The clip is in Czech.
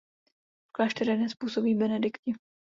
V klášteře dnes působí benediktini.